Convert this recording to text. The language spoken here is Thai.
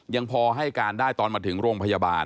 ยังพอให้การได้ตอนมาถึงโรงพยาบาล